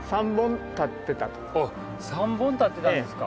３本立ってたんですか？